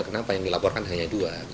kenapa yang dilaporkan hanya dua